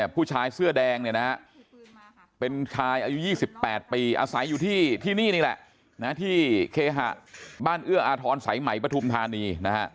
ผู้ชายเสื้อแดงเป็นชายอายุ๒๘ปีอาศัยอยู่ที่นี่นี่แหละที่เคหะบ้านเอื้ออาทรสายไหมปฐุมธานี